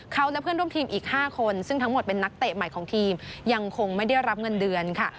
เขาและเพื่อนร่วมทีมอีก๕คนซึ่งทั้งหมดเป็นนักเตะใหม่ของทีมยังคงไม่ได้รับเงินเดือนค่ะ